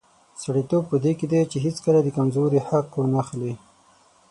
سړیتوب په دې کې دی چې هیڅکله د کمزوري حق وانخلي.